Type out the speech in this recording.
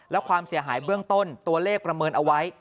และความเสียหายเบื้องต้นตัวเลขประเมินเอาไว้